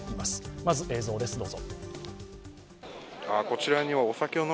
まず映像です、どうぞ。